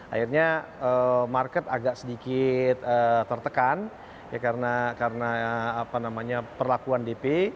akhirnya market agak sedikit tertekan karena perlakuan dp